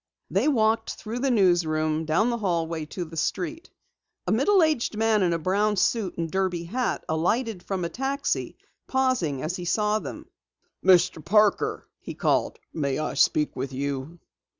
They walked through the newsroom, down the stairway to the street. A middle aged man in a brown suit and derby hat alighted from a taxi, pausing as he saw them. "Mr. Parker!" he called. "May I speak with you?"